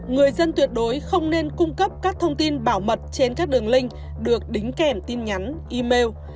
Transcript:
người dân tuyệt đối không nên cung cấp các thông tin bảo mật trên các đường link được đính kèm tin nhắn email